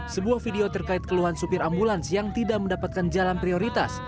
sebuah video terkait keluhan supir ambulans yang tidak mendapatkan jalan prioritas